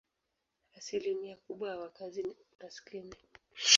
Asilimia kubwa ya wakazi ni maskini.